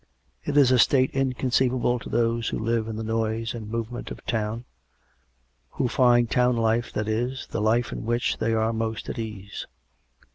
It is a state inconceivable to those who live in the noise and movement of town — who find town life, that is, the life in which they are most at ease.